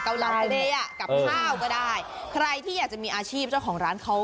กับข้าก็ได้ใครที่อยากจะมีอาชีพเจ้าของร้านเขา